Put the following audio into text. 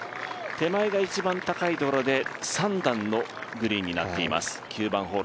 手前が一番高いドローで３段のグリーンになっています。